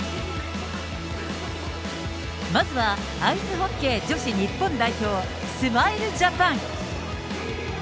まずはアイスホッケー女子日本代表、スマイルジャパン。